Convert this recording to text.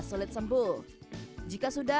sulit sembuh jika sudah